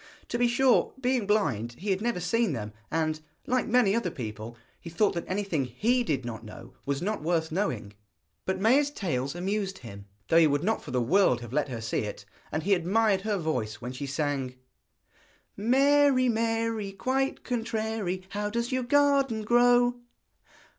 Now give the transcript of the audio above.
To be sure, being blind, he had never seen them, and, like many other people, he thought that anything he did not know was not worth knowing. But Maia's tales amused him, though he would not for the world have let her see it, and he admired her voice when she sang: Mary, Mary, quite contrary, How does your garden grow?